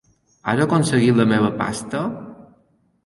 Has aconseguit la meva "pasta"?